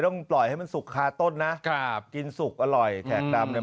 ต้องปล่อยให้มันสุกคาต้นนะครับกินสุกอร่อยแขกดำเนี่ย